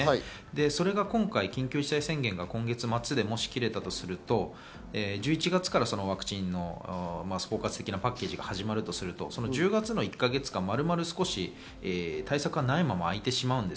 それが今回、緊急事態宣言が今月末でもし切れたとすると、１１月からワクチンの包括的なパッケージが始まるとすると、１１月の１か月間丸々、対策がないままあいてしまう。